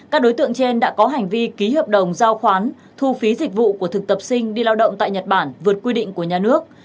các đối tượng trên đã có hành vi ký hợp đồng giao khoán thu phí dịch vụ của thực tập sinh đi lao động tại nhật bản vượt quy định của nhà nước